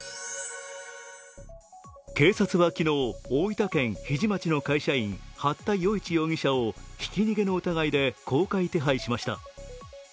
警察は昨日、大分県日出町の会社員八田與一容疑者をひき逃げの疑いで公開手配しました。